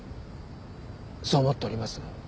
そう思っております